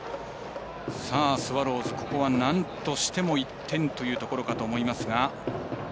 スワローズ、ここはなんとしても１点というところかと思いますが。